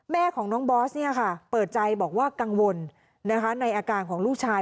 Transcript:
แม่ของน้องบอสเปิดใจบอกว่ากังวลในอาการของลูกชาย